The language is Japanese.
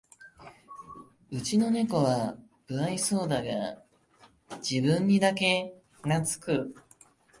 うちのネコは無愛想だが自分にだけなつく